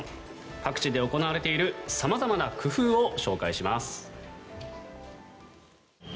各地で行われている様々な工夫を紹介します。